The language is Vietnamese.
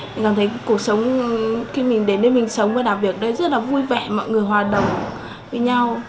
mình cảm thấy cuộc sống khi mình đến đây mình sống và làm việc ở đây rất là vui vẻ mọi người hòa đồng với nhau